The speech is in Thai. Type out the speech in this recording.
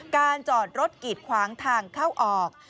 การจอดรถกีดขวางทางเข้าออก